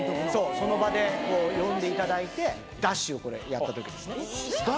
その場で呼んでいただいて、ダッシュやってるときですか。